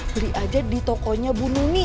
beli aja di tokonya bu nuni